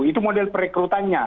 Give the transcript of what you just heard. itu model perekrutannya